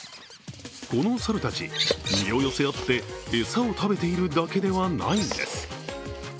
この猿たち、身を寄せ合って餌を食べているだけではないんです。